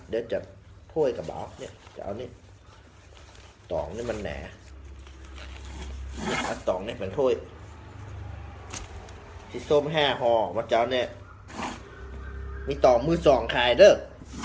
เดี๋ยวจะพ่อยกระเบาะเนี่ยจะเอาเนี่ยต่องนี้มันแหน่ะต่องนี้เป็นพ่อยที่ส้มแห้ห่อมันจะเอาเนี่ยมีต่องมือสองค่ะเอาเลย